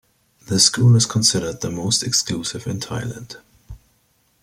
The school is considered the most exclusive in Thailand.